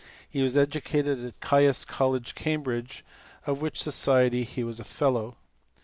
He was educated at Gains College, Cambridge, of which society he was a fellow.